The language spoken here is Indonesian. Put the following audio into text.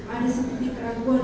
ada sedikit keraguan